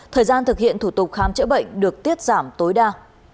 thời gian thực hiện thủ tục khám chữa bệnh được tiết giảm tối đa